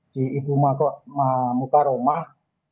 si ibu muka rumah